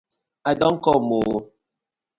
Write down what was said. I don kom oo!!